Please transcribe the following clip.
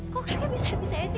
kok kakek bisa bisa aja sih